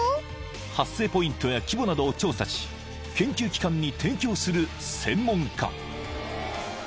［発生ポイントや規模などを調査し研究機関に提供する専門家］